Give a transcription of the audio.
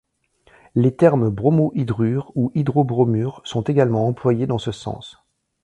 Les termes bromohydrure ou hydrobromure sont également employés dans ce sens.